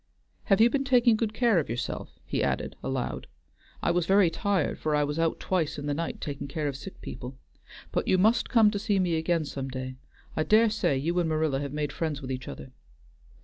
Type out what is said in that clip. "Have you been taking good care of yourself?" he added aloud. "I was very tired, for I was out twice in the night taking care of sick people. But you must come to see me again some day. I dare say you and Marilla have made friends with each other.